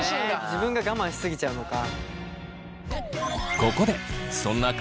自分が我慢し過ぎちゃうのか。